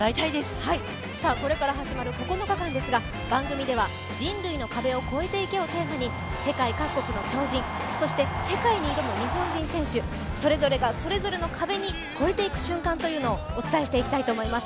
これから始まる９日間ですが番組では、「人類の壁を超えてゆけ」をテーマに世界各国の超人そして世界に挑む日本人選手それぞれがそれぞれの壁を超えていく瞬間というのをお伝えしていきたいと思います。